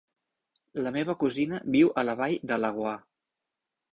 La meva cosina viu a la Vall de Laguar.